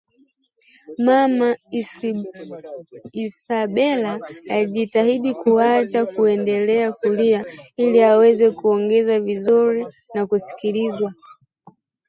Mama Isabela alijitahidi kuacha kuendelea kulia ili aweze kuongea vizuri na kusikilizwa